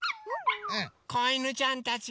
こいぬちゃんたちが。